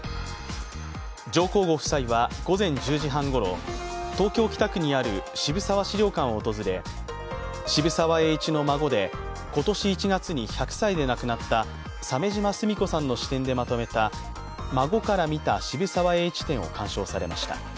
上皇ご夫妻は午前１０時半ごろ、東京・北区にある渋沢史料館を訪れ渋沢栄一の孫で、今年１月に１００歳で亡くなった鮫島純子さんの視点でまとめた「孫から見た渋沢栄一」展を鑑賞されました。